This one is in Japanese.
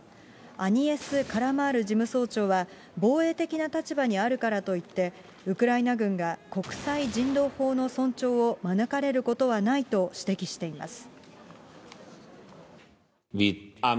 アニエス・カラマール事務総長は、防衛的な立場にあるからといって、ウクライナ軍が国際人道法の尊重を免れることはないと指摘しています。